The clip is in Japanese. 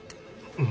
うん。